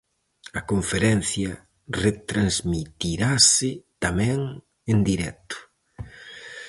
A conferencia retransmitirase tamén en directo.